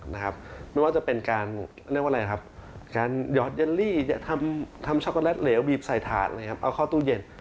ไม่ว่าจะเป็นการยอดยัลลี่ทำช็อกโกแลตเหลวบีบใส่ถาดเอาเข้าตู้เย็น